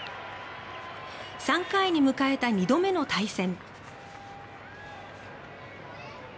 ３回に迎えた２度目の対戦。